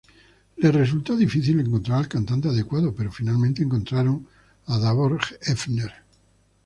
Les resultó difícil encontrar al cantante adecuado, pero, finalmente, encontraron a Davor Ebner.